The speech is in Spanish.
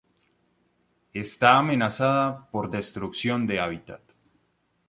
Está amenazada por destrucción de hábitat.